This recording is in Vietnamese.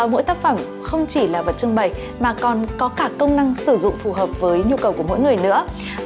mỗi tác phẩm không chỉ là vật trưng bày mà còn có cả công năng sử dụng phù hợp với nhu cầu của mỗi người nữa